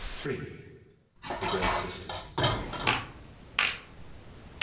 THE GRAY SISTERS.